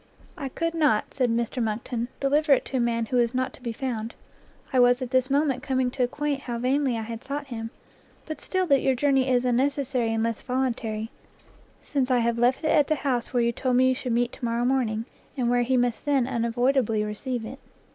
"I could not," said Mr Monckton, "deliver it to a man who was not to be found; I was at this moment coming to acquaint how vainly I had sought him; but still that your journey is unnecessary unless voluntary, since I have left it at the house where you told me you should meet to morrow morning, and where he must then unavoidably receive it."